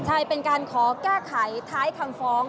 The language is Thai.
ใช่เป็นการขอแก้ไขท้ายคำฟ้อง